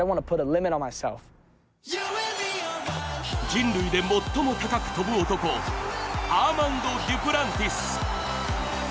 人類で最も高く跳ぶ男アーマンド・デュプランティス。